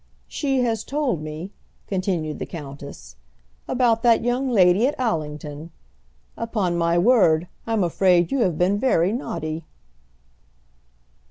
"She has told me," continued the countess, "about that young lady at Allington. Upon my word, I'm afraid you have been very naughty."